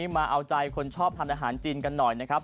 มาเอาใจคนชอบทานอาหารจีนกันหน่อยนะครับ